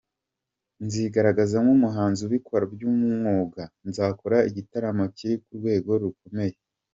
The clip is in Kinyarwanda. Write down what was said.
Nzigaragaza nk’umuhanzi ubikora by’umwuga, nzakora igitaramo kiri ku rwego rukomeye.